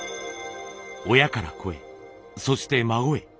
親から子へそして孫へ。